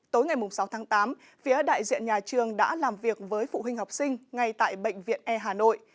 tối ngày sáu tháng tám phía đại diện nhà trường đã làm việc với phụ huynh học sinh ngay tại bệnh viện e hà nội